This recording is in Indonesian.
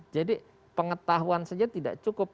jadi pengetahuan saja tidak cukup